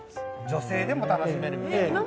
女性でも楽しめるみたいな